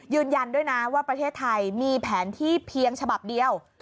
ยืนยันด้วยนะว่าประเทศไทยมีแผนที่เพียงฉบับเดียว